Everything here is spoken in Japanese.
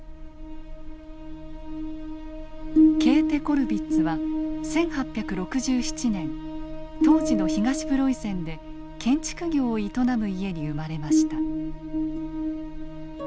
ケーテ・コルヴィッツは１８６７年当時の東プロイセンで建築業を営む家に生まれました。